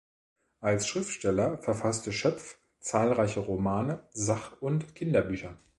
Als Schriftsteller verfasste Schöpf zahlreiche Romane, Sach- und Kinderbücher.